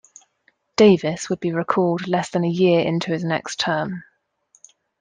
Davis would be recalled less than a year into his next term.